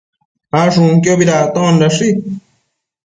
Ashunquiobi dactondashi